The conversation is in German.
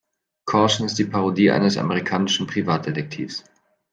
Caution ist die Parodie eines amerikanischen Privatdetektivs.